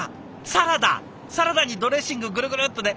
サラダにドレッシンググルグルっとね。